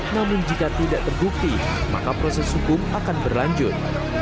namun jika tidak terbukti maka proses hukum akan berlanjut